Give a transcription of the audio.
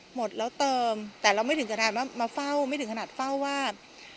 หมดแล้วเติมแต่เราไม่ถึงสถานว่ามาเฝ้าไม่ถึงขนาดเฝ้าว่า